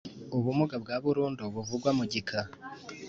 Ubumuga bwa burundu buvugwa mu gika